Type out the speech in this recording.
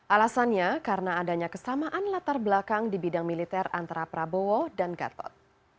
alasannya karena adanya kesamaan latar belakang di bidang militer antara prabowo dan gatot